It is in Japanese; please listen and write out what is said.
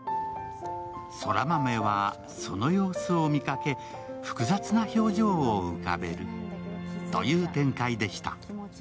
空豆はその様子を見かけ複雑な表情を浮かべるという展開でした。